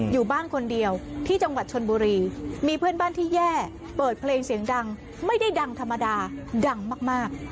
อยู่บ้านคนเดียวที่จังหวัดชนบุรีมีเพื่อนบ้านที่แย่เปิดเพลงเสียงดังไม่ได้ดังธรรมดาดังมาก